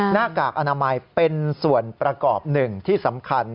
หน้ากากอนามัยเป็นส่วนประกอบหนึ่งที่สำคัญ